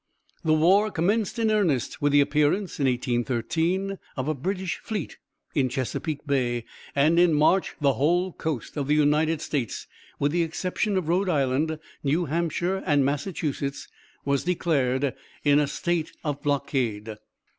The war commenced in earnest with the appearance, in 1813, of a British fleet in Chesapeake Bay, and in March the whole coast of the United States, with the exception of Rhode Island, New Hampshire and Massachusetts, was declared in a state of blockade.